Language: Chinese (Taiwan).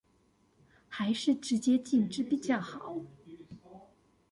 還是直接禁止比較好